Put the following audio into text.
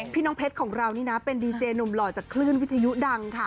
พี่น้องเพชรของเรานี่นะเป็นดีเจหนุ่มหล่อจากคลื่นวิทยุดังค่ะ